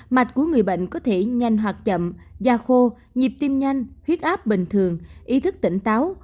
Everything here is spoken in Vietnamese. mạch của người bệnh có thể nhanh hoặc chậm gia khô nhịp tim nhanh huyết áp bình thường ý thức tỉnh táo